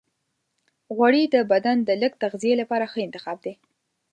غوړې د بدن د لږ تغذیې لپاره ښه انتخاب دی.